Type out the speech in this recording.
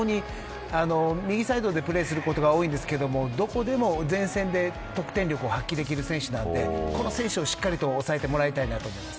右サイドでプレーすることが多いのですがどこでも前線で得点力を発揮できる選手なのでこの選手をしっかり押さえてもらいたいです。